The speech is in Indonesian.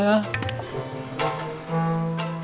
barusan saya cuma dengerin aja